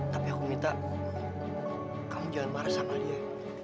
tapi aku minta kamu jangan marah sama dia